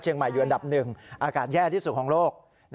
เชียงใหม่อยู่อันดับ๑อากาศแย่ที่สุดของโลก